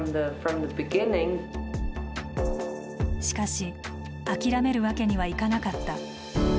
しかし諦めるわけにはいかなかった。